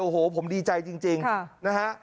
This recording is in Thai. โอ้โหผมดีใจจริงนะฮะ